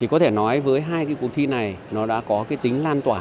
có thể nói với hai cái cuộc thi này nó đã có cái tính lan tỏa